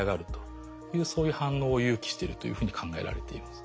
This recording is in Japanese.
そういう反応を誘起してるというふうに考えられています。